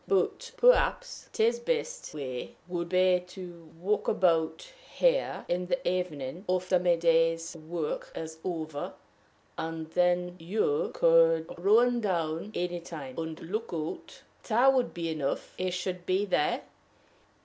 But perhaps the best way would be to walk about here in the evening, after my day's work is over, and then you could run down any time, and look out: that would be enough; I should be there.